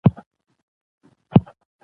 پاکستان په شلو اورونو مشهور دئ.